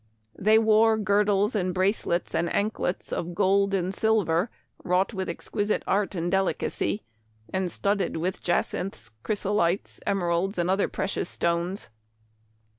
They wore girdles and bracelets, and anklets of gold and silver wrought with exquisite art and delicacy, and studded with jacinths, chrysolites, emeralds, and other precious stones.